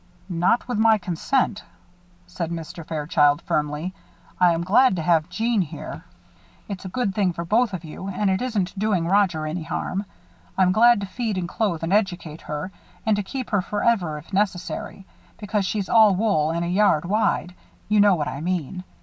"Not with my consent," said Mr. Fairchild, firmly. "I am glad to have Jeanne here. It's a good thing for both of you and it isn't doing Roger any harm. I'm glad to feed and clothe and educate her; and to keep her forever if necessary; because she's all wool and a yard wide you know what I mean.